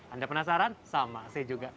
anda penasaran sama saya juga